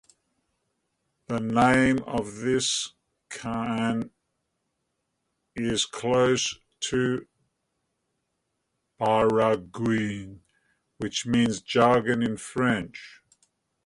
The name of this cant is close to "baragouin", which means "jargon" in French.